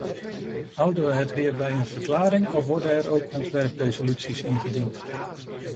Houden we het weer bij een verklaring, of worden er ook ontwerpresoluties ingediend?